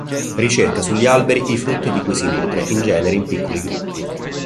Ricerca sugli alberi i frutti di cui si nutre in genere in piccoli gruppi.